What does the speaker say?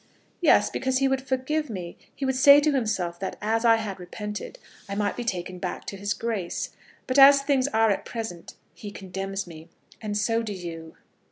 "Yes, because he would forgive me. He would say to himself that, as I had repented, I might be taken back to his grace; but as things are at present he condemns me. And so do you."